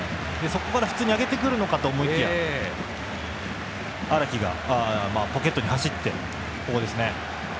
そこから普通に上げてくるかと思いきや荒木がポケットに走って。